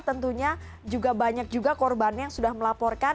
tentunya juga banyak juga korbannya yang sudah melaporkan